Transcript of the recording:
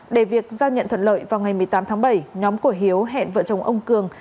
để việc giao nhận thuận lợi vào ngày một mươi tám tháng bảy nhóm của hiếu hẹn vợ chồng ông cường